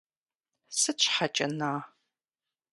Сыт щхьэкӀэ, на-а?